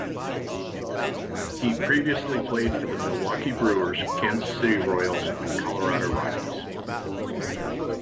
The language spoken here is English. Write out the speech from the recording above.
He previously played for the Milwaukee Brewers, Kansas City Royals and Colorado Rockies.